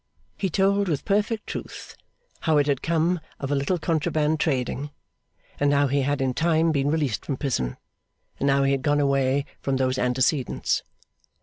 He told with perfect truth how it had come of a little contraband trading, and how he had in time been released from prison, and how he had gone away from those antecedents.